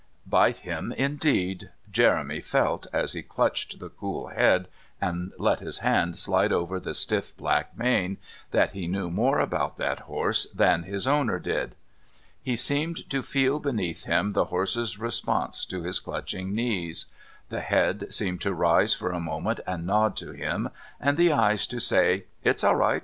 Bite him indeed! Jeremy felt, as he clutched the cool head and let his hand slide over the stiff black mane, that he knew more about that horse than his owner did. He seemed to feel beneath him the horse's response to his clutching knees, the head seemed to rise for a moment and nod to him and the eyes to say: "It's all right.